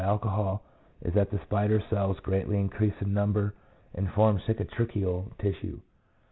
47 is that the spider cells greatly increase in number and form cicatricial tissue.